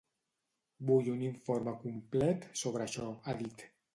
Vull un informe complet sobre això, ha dit.